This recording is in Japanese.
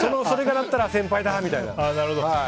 それが鳴ったら先輩だみたいな。